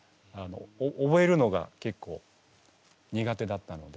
覚えるのがけっこう苦手だったので。